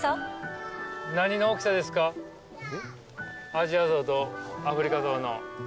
アジアゾウとアフリカゾウの。